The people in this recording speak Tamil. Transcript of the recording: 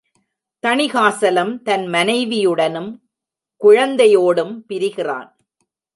தணிகாசலம் தன் மனைவியுடனும் குழந்தையோடும் பிரிகிறான்.